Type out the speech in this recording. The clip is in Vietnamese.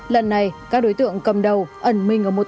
lần này các đối tượng cầm đô ẩn mình ở môi trường